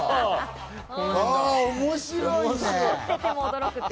面白いね。